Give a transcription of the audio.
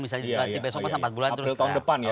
misalnya besok masa empat bulan terus april tahun depan ya